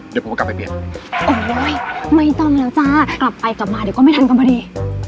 เดี๋ยวผมก็กลับไปเปลี่ยนโอ้โหไม่ต้องแล้วจ้ากลับไปกลับมาเดี๋ยวก็ไม่ทันกันพอดี